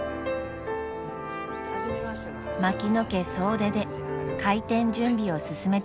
槙野家総出で開店準備を進めていきました。